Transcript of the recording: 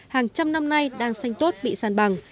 hàng trăm năm nay đang xanh tốt bị sàn bằng